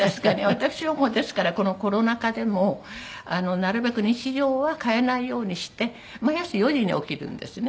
私はですからこのコロナ禍でもなるべく日常は変えないようにして毎朝４時に起きるんですね。